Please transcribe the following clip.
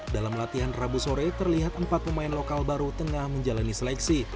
dalam latihan rabu sore terlihat empat pemain lokal baru tengah menjalani seleksi